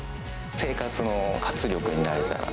生活の活力になれたら。